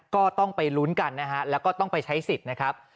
ก็ต้องไปลุ้นกันนะฮะแล้วก็ต้องไปใช้สิทธิ์นะครับ